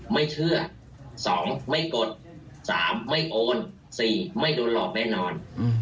ไม่เชื่อ๒ไม่กด๓ไม่โอน๔ไม่โดนหลอกแน่นอน